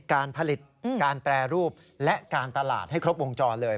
การผลิตการแปรรูปและการตลาดให้ครบวงจรเลย